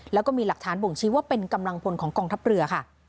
แล้วก็มีหลักฐานบ่งชี้ว่าเป็นกำลังพลของกองทัพเรือค่ะ